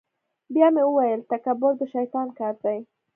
بیا مې ویل تکبر د شیطان کار دی.